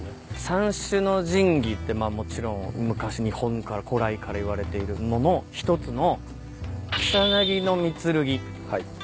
三種の神器ってもちろん昔古来からいわれている物の一つの。